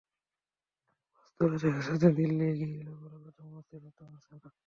বাস্তবে দেখা যাচ্ছে, দিল্লি এগিয়ে এলেও কলকাতা মনস্থির করতে পারছে না।